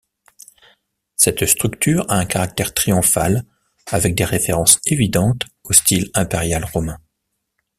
Cette structure a un caractère triomphal avec des références évidentes au style impérial romain.